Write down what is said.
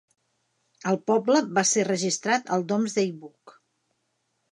El poble va ser registrat al Domesday Book.